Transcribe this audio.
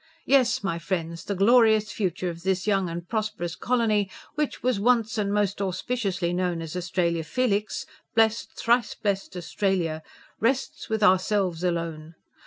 Yes, my friends, the glorious future of this young and prosperous colony, which was once and most auspiciously known as Australia Felix blest, thrice blest Australia! rests with ourselves alone.